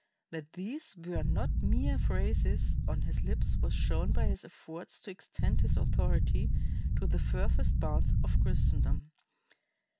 That these were not mere phrases on his lips was shown by his efforts to extend his authority to the furthest bounds of Christendom.